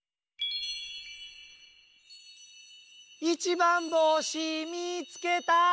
一番星みつけた！